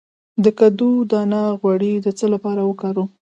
د کدو دانه غوړي د څه لپاره وکاروم؟